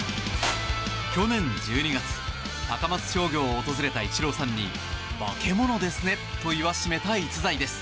去年１２月、高松商業を訪れたイチローさんに化け物ですねと言わしめた逸材です。